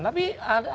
tapi ada hal hal lain